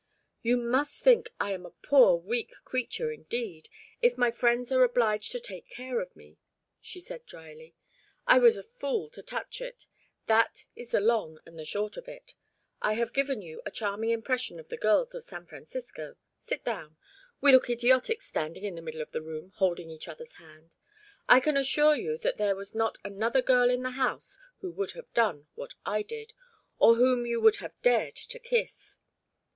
"You must think I am a poor weak creature indeed, if my friends are obliged to take care of me," she said drily. "I was a fool to touch it that is the long and the short of it. I have given you a charming impression of the girls of San Francisco sit down: we look idiotic standing in the middle of the room holding each other's hand I can assure you that there was not another girl in the house who would have done what I did, or whom you would have dared to kiss.